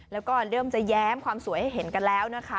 แล้วก็เริ่มจะแย้มความสวยให้เห็นกันแล้วนะคะ